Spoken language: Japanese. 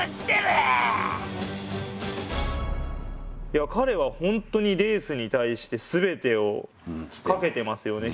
いや彼はほんとにレースに対して全てをかけてますよね